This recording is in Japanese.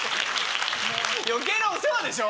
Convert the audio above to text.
余計なお世話でしょ？